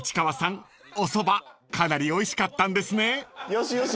よしよし